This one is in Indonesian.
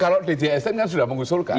kalau djsn kan sudah mengusulkan